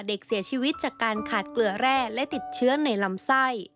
เด็กเสียชีวิตจากการขาดเกลือแร่และติดเชื้อในลำไส้